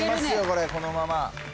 これこのまま。